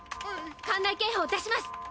館内警報を出します。